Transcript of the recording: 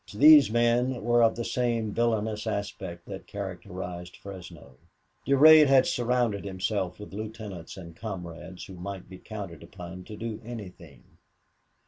These men were of the same villainous aspect that characterized Fresno. Durade had surrounded himself with lieutenants and comrades who might be counted upon to do anything.